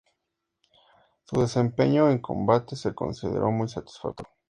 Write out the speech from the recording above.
Su desempeño en combate se consideró muy satisfactorio.